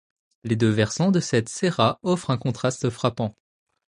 Les deux versants de cette serra offrent un contraste frappant.